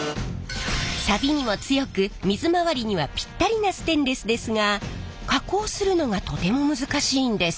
さびにも強く水回りにはピッタリなステンレスですが加工するのがとても難しいんです。